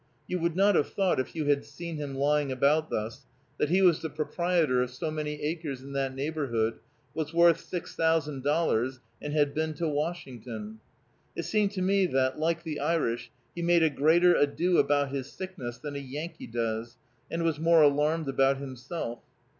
You would not have thought, if you had seen him lying about thus, that he was the proprietor of so many acres in that neighborhood, was worth six thousand dollars, and had been to Washington. It seemed to me that, like the Irish, he made a greater ado about his sickness than a Yankee does, and was more alarmed about himself.